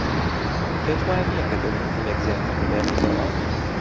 پێت وانییە کە دەبوو کەمێک زیاتر بمێنینەوە؟